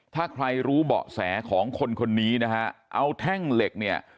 ถ้าใครรู้เบาะแสของคนคนนี้นะฮะเอาแท่งเหล็กเนี่ย